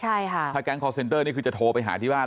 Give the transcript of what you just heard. ซักครั้งที่นี่คือจะโทรไปหาที่บ้าน